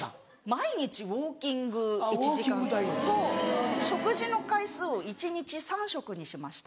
毎日ウオーキング１時間と食事の回数を一日３食にしました。